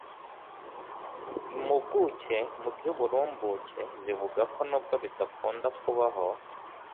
Impuguke mu by’uburumbuke zivuga ko nubwo bidakunda kubaho